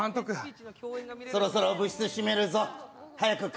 そろそろ部室閉めるぞ。